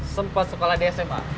sempat sekolah di sma